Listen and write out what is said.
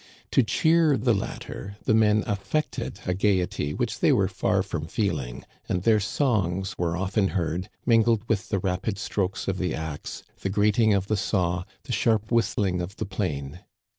To cheer the latter, the men affected a gayety which they were far from feeling ; and their songs were often heard, mingled with the rapid strokes of the axe, the grating of the saw, the sharp whistling of the plane.